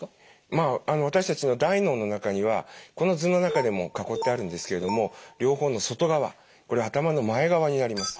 私たちの大脳の中にはこの図の中でも囲ってあるんですけれども両方の外側これ頭の前側になります。